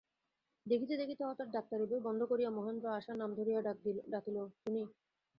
দেখিতে দেখিতে হঠাৎ ডাক্তারি বই বন্ধ করিয়া মহেন্দ্র আশার ডাক-নাম ধরিয়া ডাকিল, চুনি।